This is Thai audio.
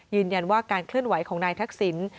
ยืนยันว่าการเคลื่อนไหวของนายทักษิณ